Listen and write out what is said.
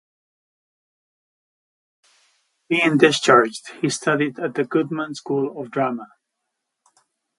After being discharged, he studied at the Goodman School of Drama.